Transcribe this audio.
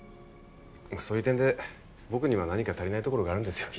そういう点で僕には何か足りないところがあるんですよ